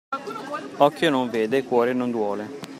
Occhio non vede, cuore non duole.